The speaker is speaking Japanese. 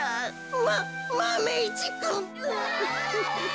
ママメ１くん。